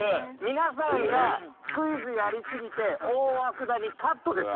皆さんがクイズやり過ぎて大涌谷カットです。